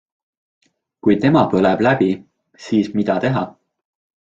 Kui tema põleb läbi, siis mida teha?